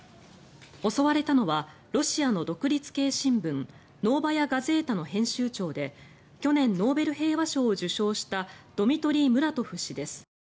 襲われたのはロシアの独立系新聞ノーバヤ・ガゼータの編集長で去年ノーベル平和賞を受賞したドミトリー・ムラトフ氏です。